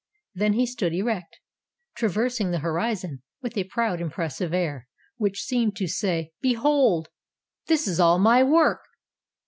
Then he stood erect, traversing the horizon with a proud, impressive air, which seemed to say — "Behold! this is all my work!"